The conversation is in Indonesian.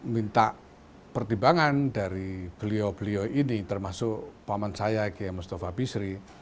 minta pertimbangan dari beliau beliau ini termasuk pak mancaya pak yaji mustafa bisri